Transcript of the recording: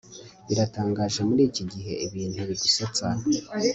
Biratangaje muriki gihe ibintu bigusetsa